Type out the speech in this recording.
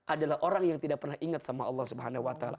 adalah orang yang tidak pernah ingat sama allah subhanahu wa ta'ala